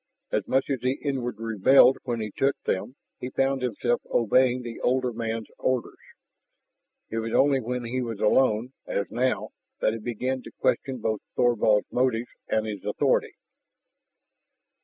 As much as he inwardly rebelled when he took them, he found himself obeying the older man's orders. It was only when he was alone, as now, that he began to question both Thorvald's motives and his authority.